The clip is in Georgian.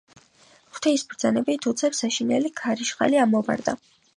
ღვთის ბრძანებით უცებ საშინელი ქარიშხალი ამოვარდა.